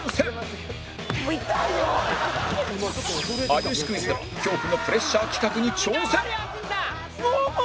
『有吉クイズ』では恐怖のプレッシャー企画に挑戦！